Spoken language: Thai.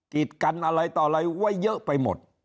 กิจกันอะไรต่อเลยว่าเยอะไปหมด